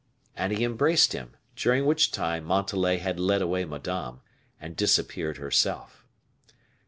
And he embraced him; during which time Montalais had led away Madame, and disappeared herself.